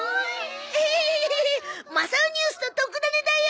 エヘヘヘ『マサオニュース』の特ダネだよ。